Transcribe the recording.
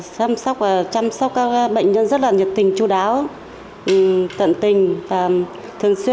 chăm sóc các bệnh nhân rất là nhiệt tình chú đáo tận tình